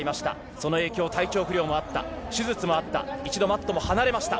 その影響、体調不良もあった、手術もあった、一度マットも離れました。